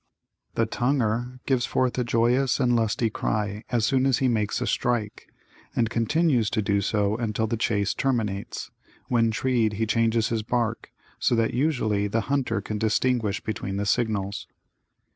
The tonguer gives forth a joyous and lusty cry as soon as he makes a strike, and continues to do so until the chase terminates. When treed he changes his bark, so that usually the hunter can distinguish between the signals.